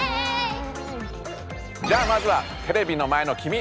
じゃあまずはテレビの前のきみ！